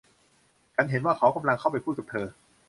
ฉันเห็นว่าเขากำลังเข้าไปพูดกับเธอ